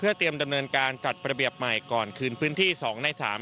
นอกจากการจัดประเบียบพื้นที่แล้ว